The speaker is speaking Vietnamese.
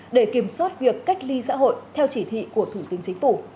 để kiểm soát việc cách ly xã hội theo chỉ thị của thủ tướng chính phủ